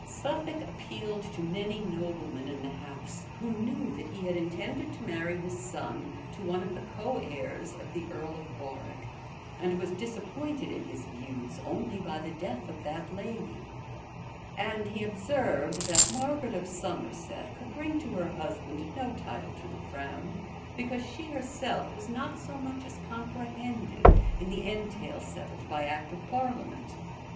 Suffolk appealed to many noblemen in the house, who knew that he had intended to marry his son to one of the coheirs of the earl of Warwick, and was disappointed in his views only by the death of that lady: and he observed, that Margaret of Somerset could bring to her husband no title to the crown; because she herself was not so much as comprehended in the entail settled by act of parliament.